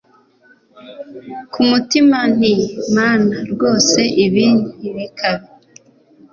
kumutima nti mana rwose ibi ntibikabe